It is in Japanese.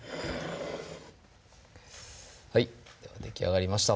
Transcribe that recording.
はいではできあがりました